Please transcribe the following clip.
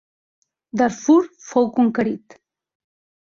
Darfur fou conquerit.